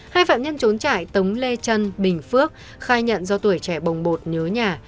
hai phạm nhân trốn trại tống lê trân bình phước khai nhận do tuổi trẻ bồng bột nhớ nhà